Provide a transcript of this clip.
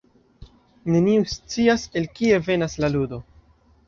Neniu scias el kie venas La Ludo.